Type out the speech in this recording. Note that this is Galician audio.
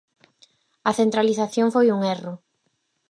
A centralización foi un erro.